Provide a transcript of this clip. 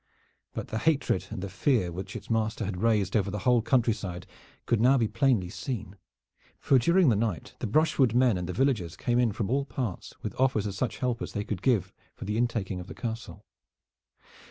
But the hatred and fear which its master had raised over the whole country side could now be plainly seen, for during the night the brushwood men and the villagers came in from all parts with offers of such help as they could give for the intaking of the castle.